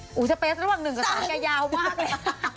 องค์มีภาวะระหว่างหนึ่งซักครั้งกับยาวมากเลย